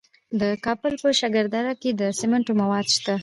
د کابل په شکردره کې د سمنټو مواد شته.